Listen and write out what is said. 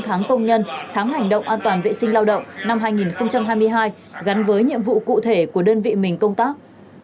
tháng công nhân tháng hành động an toàn vệ sinh lao động năm hai nghìn hai mươi hai gắn với nhiệm vụ cụ thể của đơn vị mình công tác